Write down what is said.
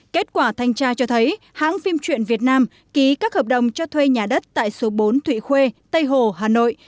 kết quả thanh tra cho thấy hãng phim truyện việt nam ký các hợp đồng cho thuê nhà đất tại số bốn thụy khuê tây hồ hà nội